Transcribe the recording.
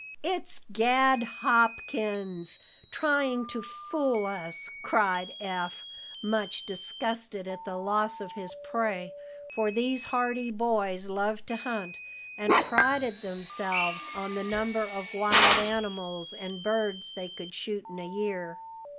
"It's Gad Hopkins, tryin' to fool us!" cried Eph, much disgusted at the loss of his prey, for these hardy boys loved to hunt, and prided themselves on the number of wild animals and birds they could shoot in a year.